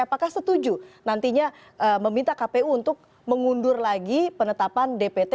apakah setuju nantinya meminta kpu untuk mengundur lagi penetapan dpt